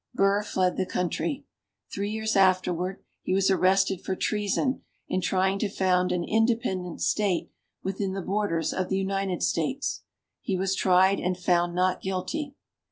Burr fled the country. Three years afterwards, he was arrested for treason in trying to found an independent State within the borders of the United States. He was tried and found not guilty.